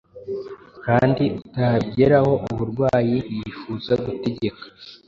Kandi utabigeraho, uburwayi yifuza gutegeka